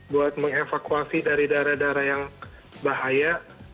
buat mengevakuasi dari daerah daerah yang bahaya